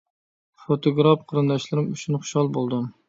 فوتوگراف قېرىنداشلىرىم ئۈچۈن خۇشال بولدۇم.